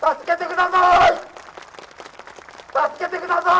助けてください。